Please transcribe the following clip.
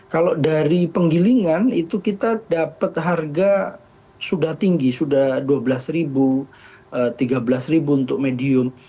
kalau dari penggilingan itu kita dapat harga sudah tinggi sudah dua belas tiga belas untuk medium